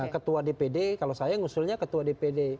ketua dpd kalau saya ngusulnya ketua dpd